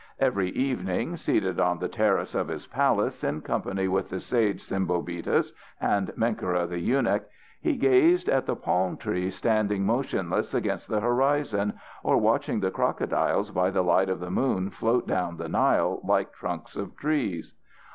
Every evening, seated on the terrace of his palace in company with the sage Sembobitis and Menkera the eunuch, he gazed at the palm trees standing motionless against the horizon, or watched the crocodiles by the light of the moon float down the Nile like trunks of trees.